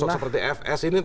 sosok seperti fs ini